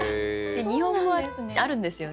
日本もあるんですよね？